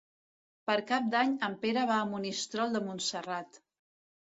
Per Cap d'Any en Pere va a Monistrol de Montserrat.